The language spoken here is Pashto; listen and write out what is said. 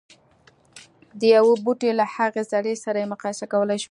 د يوه بوټي له هغه زړي سره يې مقايسه کولای شو.